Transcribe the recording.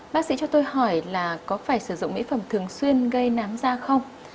bác sĩ cho tôi hỏi là có phải sử dụng mỹ phẩm thường xuyên gây nám da không